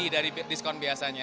ini dari diskon biasanya